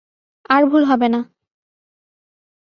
আর ভুল হবে না।